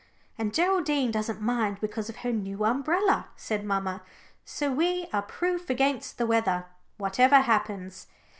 "And Geraldine doesn't mind because of her new umbrella," said mamma. "So we are proof against the weather, whatever happens."